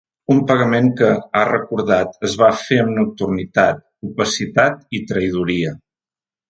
Un pagament que, ha recordat, ‘es va fer amb nocturnitat, opacitat i traïdoria’.